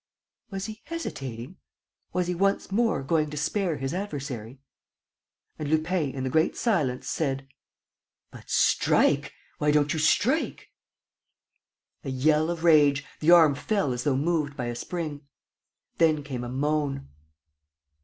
... Was he hesitating? Was he once more going to spare his adversary? And Lupin, in the great silence, said: "But strike! Why don't you strike?" A yell of rage. ... The arm fell as though moved by a spring. Then came a moan.